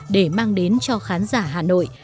để mang đến cho khán giả hà nội